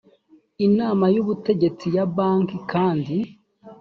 inama y ubutegetsi ya banki kandi